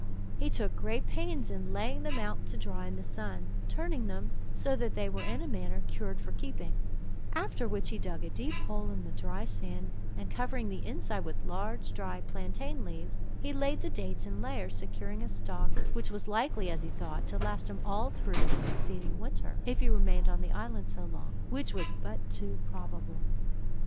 He took great pains in laying them out to dry in the sun, turning them, so that they were in a manner cured for keeping; after which he dug a deep hole in the dry sand, and covering the inside with large dry plantain leaves, he laid the dates in layers, securing a stock, which was likely, as he thought, to last him all through the succeeding winter, if he remained on the island so long, which was but too probable.